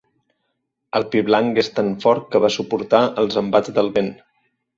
El pi blanc és tan fort que va suportar els embats del vent.